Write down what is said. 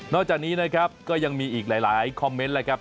จากนี้นะครับก็ยังมีอีกหลายคอมเมนต์เลยครับ